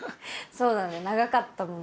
そうだね長かったもんね。